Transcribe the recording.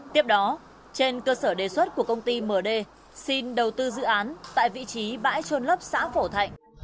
tiếp đó trên cơ sở đề xuất của công ty md xin đầu tư dự án tại vị trí bãi trôn lấp xã phổ thạnh